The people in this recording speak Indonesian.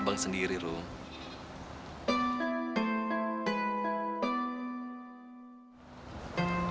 abang sendiri rob